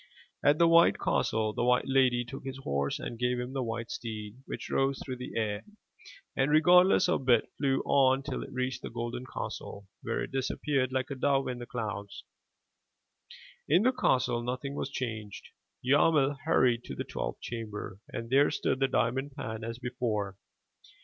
At the white castle the white lady took his horse and gave him the white steed, which rose through the air, and regardless of bit, flew on till it reached the golden castle, where it disappeared like a dove in the clouds. In the castle nothing was changed. Yarmil hurried to the twelfth chamber and there stood the diamond pan as before.